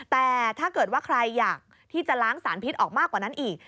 แต่ถ้าเกิดว่าใครอยากที่จะล้างสารพิษออกมากว่านั้นอีก